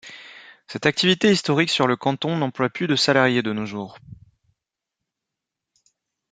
Cette activité historique sur le canton n'emploie plus de salariés de nos jours.